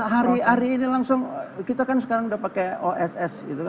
hari ini langsung kita kan sekarang sudah pakai oss